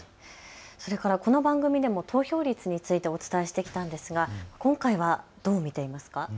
それからこの番組でも投票率についてお伝えしてきましたが今回はどう見ていますか。